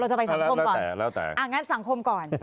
หรือเราจะไปสังคมก่อน